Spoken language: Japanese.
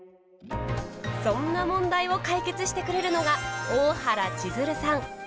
そんな問題を解決してくれるのが大原千鶴さん。